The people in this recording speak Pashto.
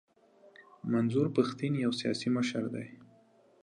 منظور پښتین یو سیاسي مشر دی.